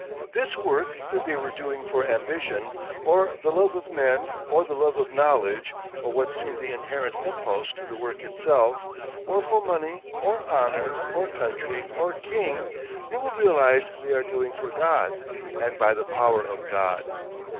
This work that they were doing for ambition, or the love of men or the love of knowledge or what seemed the inherent impulse to the work itself, or for money or honour or country or king, they will realise they are doing for God and by the power of God.